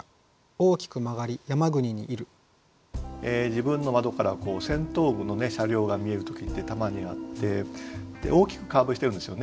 自分の窓から先頭部の車両が見える時ってたまにあって大きくカーブしてるんですよね。